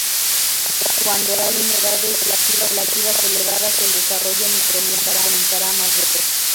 Cuando hay humedades relativas elevadas, el desarrollo microbiano comenzará más veloz.